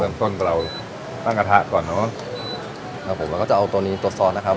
ต้นกับเราตั้งกระทะก่อนเนอะครับผมแล้วก็จะเอาตัวนี้ตัวซอสนะครับ